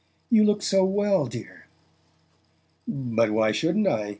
"You look so well, dear!" "But why shouldn't I?"